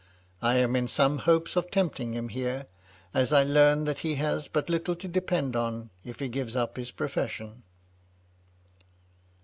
I am in some hopes of tempting him here, as I learn he has but little to depend on if he gives up his profession.'